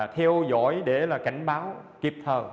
theo dõi để cảnh báo kịp thờ